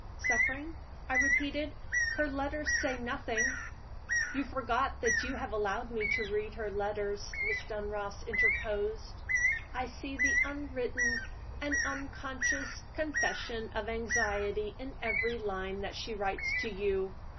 "Suffering?" I repeated. "Her letters say nothing " "You forget that you have allowed me to read her letters," Miss Dunross interposed. "I see the unwritten and unconscious confession of anxiety in every line that she writes to you.